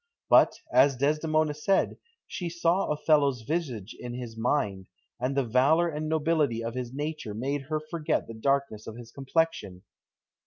But, as Desdemona said, she saw Othello's visage in his mind, and the valour and nobility of his nature made her forget the darkness of his complexion.